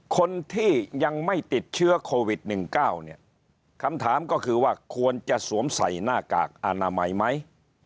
คนที่ยังไม่ติดเชื้อโควิด๑๙เนี่ยคำถามก็คือว่าควรจะสวมใส่หน้ากากอนามัยไหม